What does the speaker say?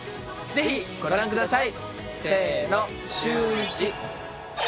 ぜひご覧ください。